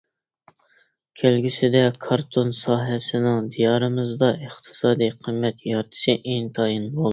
كەلگۈسىدە كارتون ساھەسىنىڭ دىيارىمىزدا ئىقتىسادى قىممەت يارىتىشى ئىنتايىن مول.